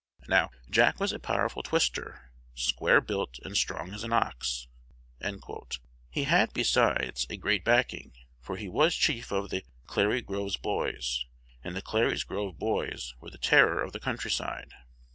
Now, "Jack was a powerful twister," "square built, and strong as an ox." He had, besides, a great backing; for he was the chief of the "Clary's Grove boys," and the Clary's Grove boys were the terror of the countryside.